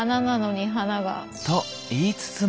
と言いつつも。